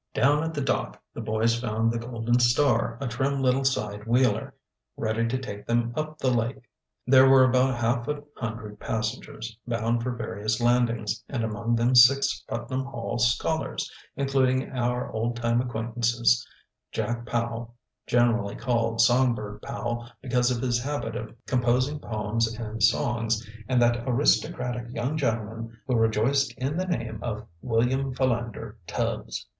Down at the dock the boys found the Golden Star, a trim little side wheeler, ready to take them up the lake. There were about half a hundred passengers, bound for various landings, and among them six Putnam Hall scholars, including our old time acquaintances, Jack Powell, generally called Songbird Powell, because of his habit of composing poems and songs, and that aristocratic young gentleman who rejoiced in the name of William Philander Tubbs.